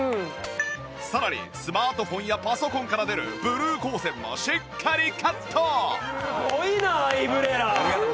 さらにスマートフォンやパソコンから出るブルー光線もしっかりカット！